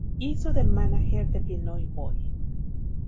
Hizo de mánager de Pinoy Boy.